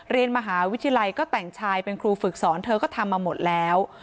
เรียนมหาวิทยาลัยก็แต่งชายเป็นครูฝึกสอนเธอก็ทำมาหมดแล้ว